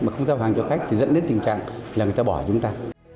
mà không giao hàng cho khách thì dẫn đến tình trạng là người ta bỏ chúng ta